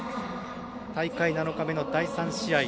大会７日目の第３試合。